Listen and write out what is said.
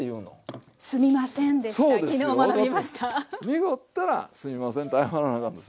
濁ったらすいませんって謝らなあかんのです。